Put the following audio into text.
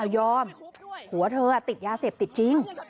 ยอมผัวเธอติดยาเสพติดจริง